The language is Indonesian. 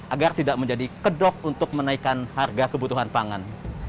agar tidak menjadi kedok untuk menaikkan harga kebutuhan pangan